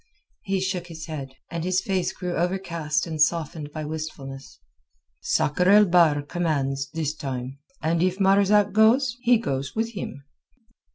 He shook his head, and his face grew overcast and softened by wistfulness. "Sakr el Bahr commands this time, and if Marzak goes, he goes with him."